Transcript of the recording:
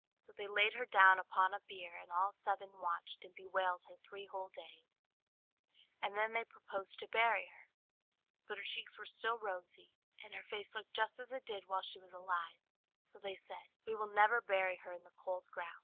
So they laid her down upon a bier, and all seven watched and bewailed her three whole days; and then they proposed to bury her; but her cheeks were still rosy, and her face looked just as it did while she was alive; so they said, "We will never bury her in the cold ground."